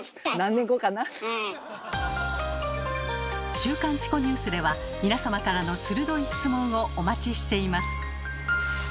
「週刊チコニュース」では皆様からの鋭い質問をお待ちしています。